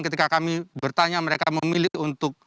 ketika kami bertanya mereka memilih untuk